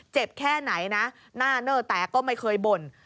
แค่ไหนนะหน้าเนอร์แตกก็ไม่เคยบ่น